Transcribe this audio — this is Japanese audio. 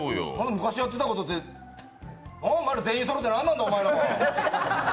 昔やってたことってお前ら全員そろって何なんだ。